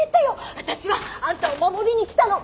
私はあんたを守りに来たの。